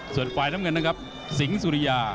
ส่วนฝ่ายน้ำเงินนะครับสิงห์สุริยา